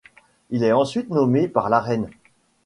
Il est ensuite nommé par la reine.